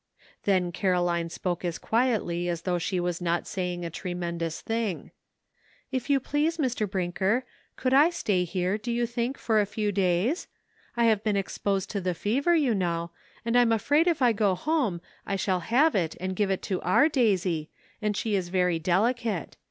Then Caroline spoke as quietly as though she was not saying a tremendous thing. "If you please, Mr. Brinker, could I stay here, do you think, for a few days? I've been exposed to the fever, you know, and I'm afraid if I go home I shall have it and give it to our Daisy, and she is very delicate.